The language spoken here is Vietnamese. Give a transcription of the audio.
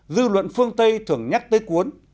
dư luận phương tây thường nhắc tới cuốn